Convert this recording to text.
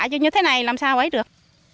chứ như thế này làm sao ấy được